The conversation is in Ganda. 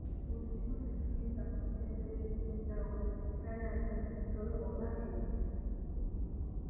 Buli kimu tukiyisa mu mitendera egy'enjawulo, ekitali ate mu nsolo oba ebinnyonyi.